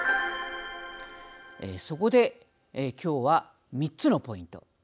そこで、今日は３つのポイント。